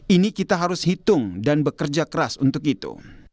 ini kita harus hitung dan bekerja keras untuk itu